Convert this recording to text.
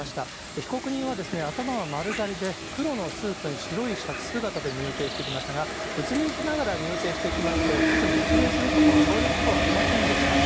被告人は頭は丸刈りで、黒のスーツに白いシャツ姿で入廷してきましたが、うつむきながら入廷してきまして、特に一礼するとか、そういうことはありませんでした。